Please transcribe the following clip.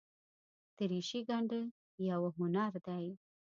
دریشي ګنډل یوه هنر دی.